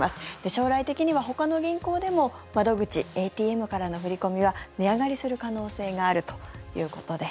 将来的には、ほかの銀行でも窓口・ＡＴＭからの振り込みは値上がりする可能性があるということです。